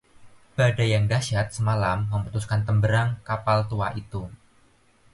badai yang dahsyat semalam memutuskan temberang kapal tua itu